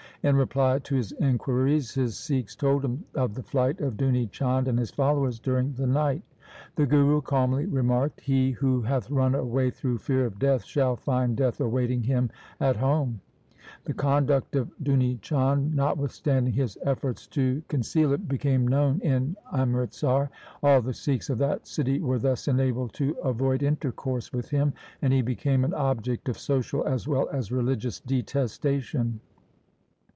In reply to his inquiries, his Sikhs told him of the flight of Duni Chand and his followers during the night. The Guru calmly remarked, ' He 134 THE SIKH RELIGION who hath run away through fear of death shall find death awaiting him at home.' The conduct of Duni Chand, notwithstanding his efforts to con ceal it, became known in Amritsar. All the Sikhs of that city were thus enabled to avoid intercourse with him, and he became an object of social as well as religious detestation.